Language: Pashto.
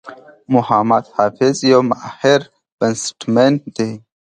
محمد حفيظ یو ماهر بيټسمېن دئ.